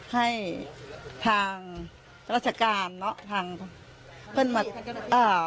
ให้ทางราชการเนอะ